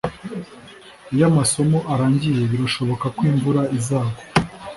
Iyo amasomo arangiye birashoboka ko imvura izagwa